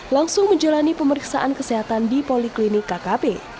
langsung menjalani pemeriksaan kesehatan di poliklinik kkp